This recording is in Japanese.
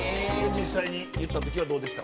実際に言った時はどうでした？